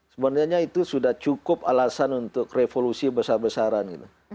sebenarnya itu sudah cukup alasan untuk revolusi besar besaran gitu